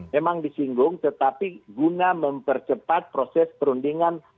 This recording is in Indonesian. memang disinggung tetapi guna mempercepat proses perundingan